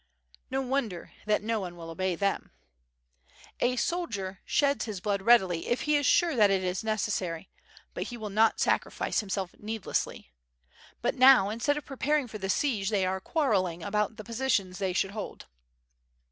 No wonder that no one will obey them. 688 ^^^^ ^i^^ ^^^ SWORD. A soldier sheds his blood readily, if he is sure that it is ne cessary, but he will not sacrifice himself needlesssly. But now instead of preparing for the siege they are quarreling about the positions they should hold."